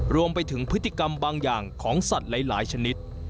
รวมไปถึงพฤติกรรมบางอย่างของสัตว์หลายชนิด